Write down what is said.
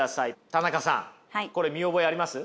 田中さんこれ見覚えあります？